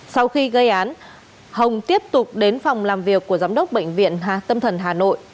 sau khi gây án hồng tiếp tục đến phòng làm việc của giám đốc bệnh viện tâm thần hà nội